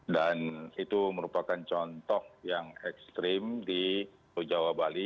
dan itu merupakan contoh yang ekstrim di jawa bali